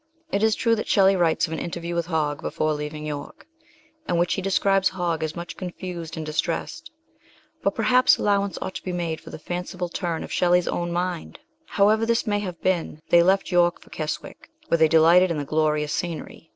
It is true that Shelley writes of an interview with Hogg before leaving York, in which he describes Hogg as much confused and distressed ; but perhaps allowance ought to be made for the fanciful turn of Shelley's own mind. However this may have been, they left York for Keswick, where they delighted in the glorious scenery.